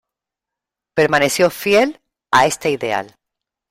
Permaneció fiel a este ideal.